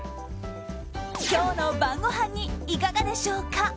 今日の晩ごはんにいかがでしょうか？